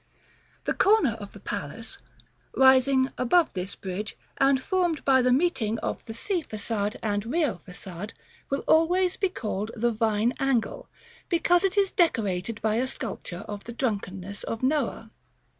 The corner of the palace, rising above this bridge, and formed by the meeting of the Sea Façade and Rio Façade, will always be called the Vine angle, because it is decorated by a sculpture of the drunkenness of Noah.